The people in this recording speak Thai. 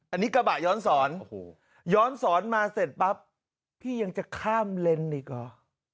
อันนี้กระบะย้อนสอนย้อนสอนมาเสร็จปั๊บพี่ยังจะข้ามเลนส์อีกเหรอ